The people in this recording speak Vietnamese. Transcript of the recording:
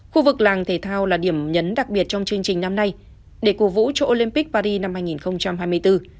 khu vực làng thể thao là điểm nhấn đặc biệt trong chương trình năm nay để cố vũ cho olympic paris năm hai nghìn hai mươi bốn